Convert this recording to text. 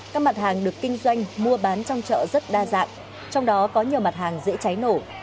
các mặt hàng được kinh doanh mua bán trong chợ rất đa dạng trong đó có nhiều mặt hàng dễ cháy nổ